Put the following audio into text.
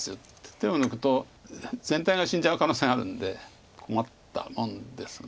手を抜くと全体が死んじゃう可能性があるんで困ったもんですが。